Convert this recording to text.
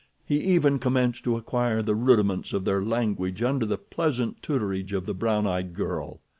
He even commenced to acquire the rudiments of their language under the pleasant tutorage of the brown eyed girl.